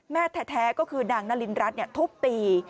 แม่แท้ก็คือนางนารินรัฐทุบตี